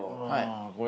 はい。